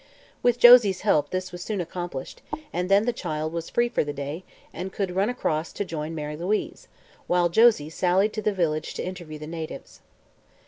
With Josie's help this was soon accomplished and then the child was free for the day and could run across to join Mary Louise, while Josie sallied to the village to interview the natives.